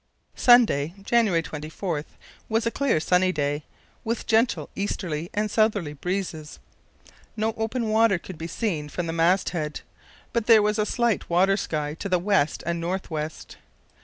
Sunday, January 24, was a clear sunny day, with gentle easterly and southerly breezes. No open water could be seen from the mast head, but there was a slight water sky to the west and north west.